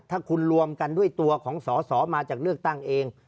ถ้าคุณรวมกันด้วยตัวของสอสอมาจากเลือกตั้งเอง